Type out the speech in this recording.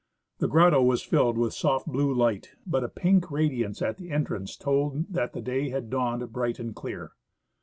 The grotto was filled with a soft blue light, but a pink radiance at the entrance told that the day had dawned bright and clear.